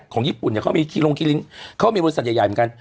ของญี่ปุ่นเนี่ยเขามีคีโรงคิลิงเขามีบริษัทใหญ่เหมือนกัน